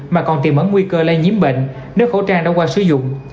mà còn tìm ẩn nguy cơ lây nhiễm bệnh nếu khẩu trang đã qua sử dụng